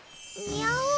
にゃお。